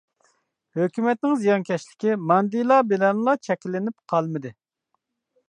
ھۆكۈمەتنىڭ زىيانكەشلىكى ماندىلا بىلەنلا چەكلىنىپ قالمىدى.